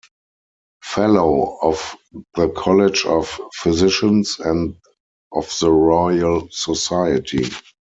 Fellow of the College of Physicians and of the Royal Society.